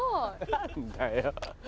何だよ。